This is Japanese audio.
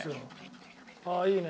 ああいいね。